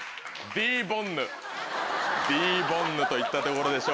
Ｄボンヌといったところでしょうか。